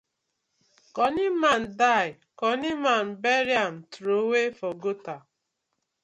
Cunny man die, cunny man bury am troway for gutter.